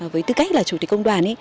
với tư cách là chủ tịch công đoàn